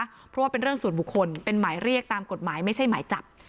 เพราะว่าเป็นเรื่องส่วนบุคคลเป็นหมายเรียกตามกฎหมายไม่ใช่หมายจับ